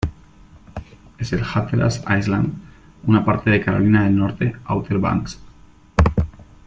Es el Hatteras Island, una parte de Carolina del Norte Outer Banks..